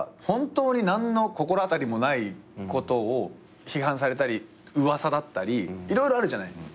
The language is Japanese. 本当に何の心当たりもないことを批判されたり噂だったり色々あるじゃない。